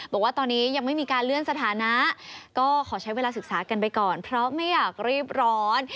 บอกว่าตอนนี้ยังไม่มีการเลื่อนสถานะก็ขอใช้เวลาศึกษากันไปก่อนเพราะไม่อยากรีบร้อน